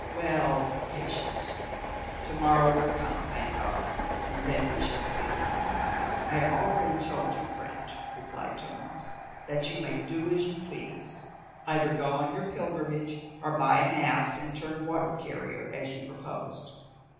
Well, patience! To morrow will come, thank God, and then we shall see." "I have already told you, friend," replied Tomas, "that you may do as you please—either go on your pilgrimage, or buy an ass and turn water carrier as you proposed."